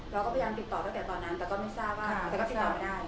เราก็พยายามติดต่อตั้งแต่ตอนนั้นแต่ก็ไม่ทราบว่าแต่ก็ติดต่อไม่ได้